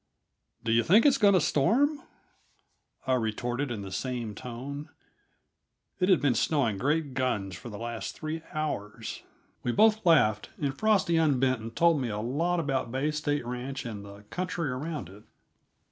"Do you think it's going to storm?" I retorted in the same tone; it had been snowing great guns for the last three hours. We both laughed, and Frosty unbent and told me a lot about Bay State Ranch and the country around it.